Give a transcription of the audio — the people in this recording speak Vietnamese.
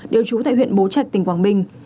đều trú tại huyện bố trạch tỉnh quảng bình